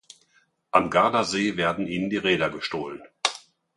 Am Gardasee werden ihnen die Räder gestohlen.